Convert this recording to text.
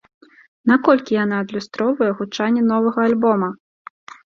Наколькі яна адлюстроўвае гучанне новага альбома?